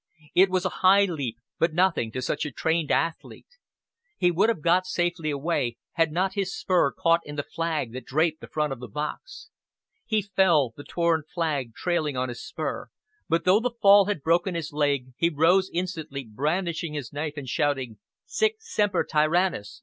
It was a high leap, but nothing to such a trained athlete. He would have got safely away, had not his spur caught in the flag that draped the front of the box. He fell, the torn flag trailing on his spur; but though the fall had broken his leg, he rose instantly brandishing his knife and shouting, "Sic Semper Tyrannis!"